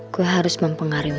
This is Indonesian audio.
gue harus mempengaruhi mas p